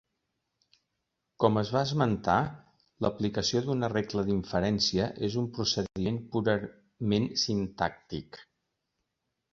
Com es va esmentar, l'aplicació d'una regla d'inferència és un procediment purament sintàctic.